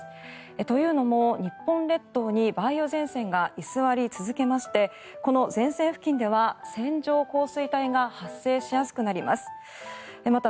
というのも日本列島に梅雨前線が居座り続けましてこの前線付近では線状降水帯が発生しやすくなります。